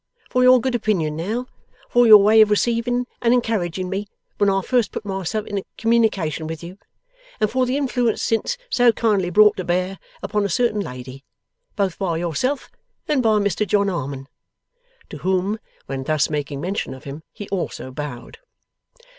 For your good opinion now, for your way of receiving and encouraging me when I first put myself in communication with you, and for the influence since so kindly brought to bear upon a certain lady, both by yourself and by Mr John Harmon.' To whom, when thus making mention of him, he also bowed.